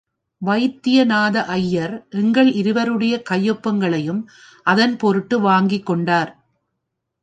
வைத்தியநாத ஐயர் எங்களிருவருடைய கையொப்பங்களையும் அதன் பொருட்டு வாங்கிக் கொண்டார்.